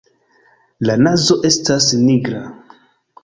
La nazo estas nigra.